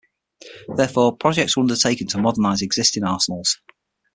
Therefore, projects were undertaken to modernise existing arsenals.